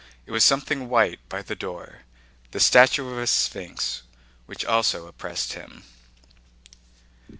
It was something white by the door—the statue of a sphinx, which also oppressed him.